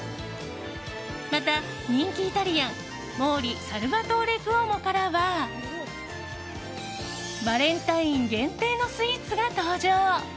また、人気イタリアン毛利サルヴァトーレクオモからはバレンタイン限定のスイーツが登場。